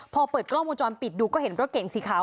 พอเปิดกล้องวงจรปิดดูก็เห็นรถเก่งสีขาว